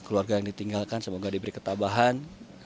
keluarga yang ditinggalkan semoga diberi ketabahan